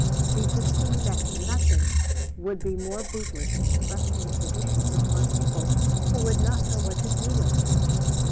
She could see that nothing would be more bootless than thrusting traditions upon people who would not know what to do with them.